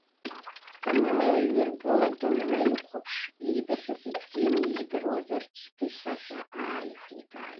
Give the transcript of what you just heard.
Даныҩаиргыла, данынаихәаԥш, иибахьаз, ибзианы иидыруаз артист исахьа ааихикааит.